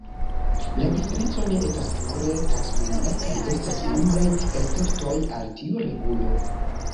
La diferenco ne estas pure taksonomia kaj estas nombraj esceptoj al tiu regulo.